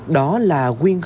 đó là quyên khách